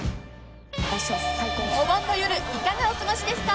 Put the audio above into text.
［お盆の夜いかがお過ごしですか？］